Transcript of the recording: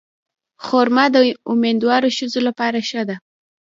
خرما د امیندوارو ښځو لپاره ښه ده.